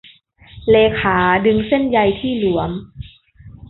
เลขาดึงเส้นใยที่หลวม